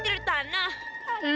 tidur di tanah